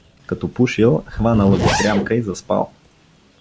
Като пушил, хванала го дрямка и заспал.